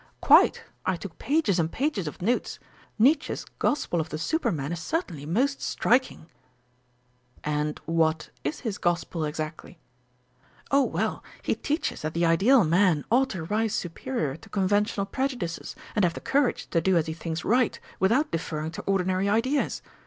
"Quite; I took pages and pages of notes. Nietzsche's Gospel of the Superman is certainly most striking." "And what is his Gospel exactly?" "Oh, well, he teaches that the ideal man ought to rise superior to conventional prejudices, and have the courage to do as he thinks right without deferring to ordinary ideas.